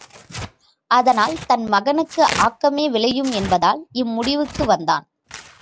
அதனால் தன் மகனுக்கு ஆக்கமே விளையும் என்பதால் இம்முடிவுக்கு வந்தான்.